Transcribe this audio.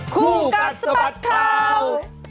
ครูกัจสบัติข่าว